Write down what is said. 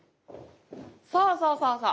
そうそうそうそう！